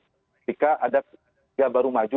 ketika ada yang baru maju